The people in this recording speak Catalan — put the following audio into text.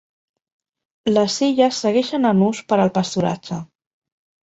Les illes segueixen en ús per al pasturatge.